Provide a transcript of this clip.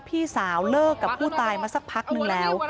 พี่สาวเลิกกับผู้ตายมาสักพักนึงแล้ว